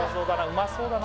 うまそうだな